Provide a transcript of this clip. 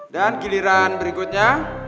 dan giliran berikutnya